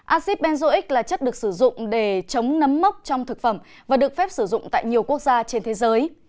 acid benzoic là chất được sử dụng để chống nấm mốc trong thực phẩm và được phép sử dụng tại nhiều quốc gia trên thế giới